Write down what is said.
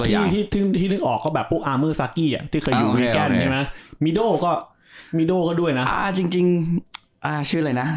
จริงมันก็มีแบบที่นึกออกก็แบบพวกอาร์เมอร์ซากกี้ที่เคยอยู่สิกแกนใช่ไหมมีโด่ก็ด้วยนะ